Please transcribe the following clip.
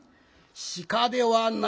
「鹿ではない？」。